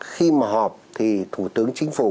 khi mà họp thì thủ tướng chính phủ